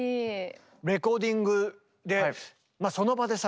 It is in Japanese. レコーディングでその場でさ